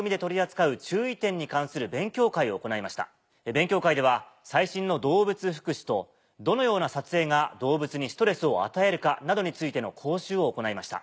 勉強会では最新の動物福祉とどのような撮影が動物にストレスを与えるかなどについての講習を行いました。